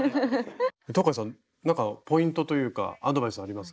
東海さんなんかポイントというかアドバイスありますか？